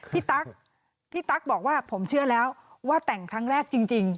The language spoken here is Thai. ตั๊กพี่ตั๊กบอกว่าผมเชื่อแล้วว่าแต่งครั้งแรกจริง